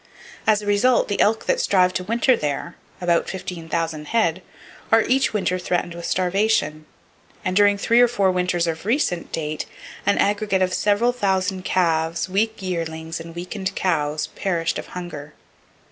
As a result, the elk that strive to winter there, about fifteen thousand head, are each winter threatened with starvation; and during three or four winters of recent date, an aggregate of several thousand calves, weak yearlings and weakened cows perished of hunger.